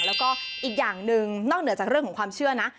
แล้วก็อีกอย่างหนึ่งนอกเหนือจากเรื่องของความเชื่อนะ